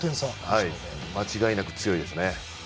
間違いなく強いですね。